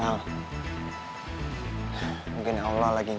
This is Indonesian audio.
walkedin caru banget di bawah miss keng